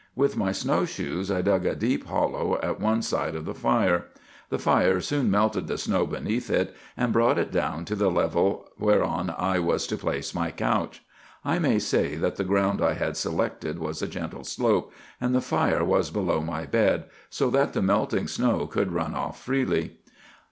With my snow shoes I dug a deep hollow at one side of the fire. The fire soon melted the snow beneath it, and brought it down to the level whereon I was to place my couch. I may say that the ground I had selected was a gentle slope, and the fire was below my bed, so that the melting snow could run off freely.